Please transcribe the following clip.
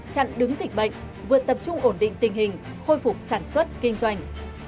chặn đứng dịch bệnh vừa tập trung ổn định tình hình khôi phục sản xuất kinh doanh